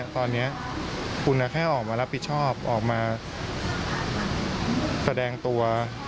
ตอนนี้คุณแค่ออกมารับผิดชอบออกมาแสดงตัว